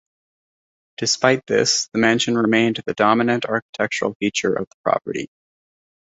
Despite this, the mansion remained the dominant architectural feature of the property.